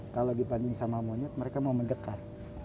kalau dibanding sama monyet mereka mau mendekat